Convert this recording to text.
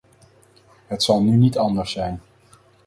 Het zal nu niet anders zijn.